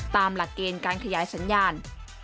ตามหลักเกณฑ์การขยายสัญญาณ